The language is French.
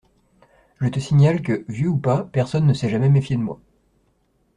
Je te signale que, vieux ou pas, personne ne s’est jamais méfié de moi.